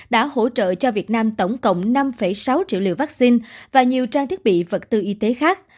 đã hỗ trợ cho việt nam tổng cộng năm sáu triệu liều vaccine và nhiều trang thiết bị vật tư y tế khác